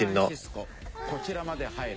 こちらまで入る。